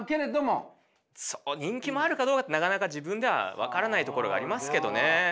人気もあるかどうかなかなか自分では分からないところがありますけどね。